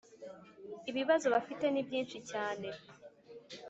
ibibazo bafite ni byinshi cyane